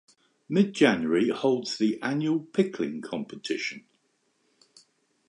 Mid-January holds the annual Pickling Competition.